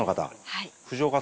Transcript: はい。